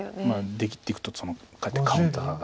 出切っていくとかえってカウンターが。